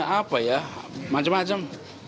apa ya macem macem